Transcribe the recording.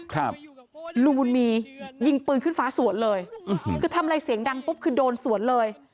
ครับลุงบุญมียิงปืนขึ้นฟ้าสวนเลยคือทำอะไรเสียงดังปุ๊บคือโดนสวนเลย